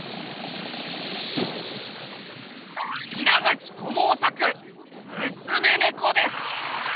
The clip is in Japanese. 稲垣知雄作「娘猫」です。